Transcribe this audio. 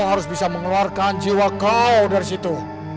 harus bisa mengeluarkan jiwa kau dari situ